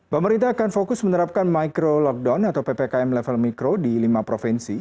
pemerintah akan fokus menerapkan micro lockdown atau ppkm level mikro di lima provinsi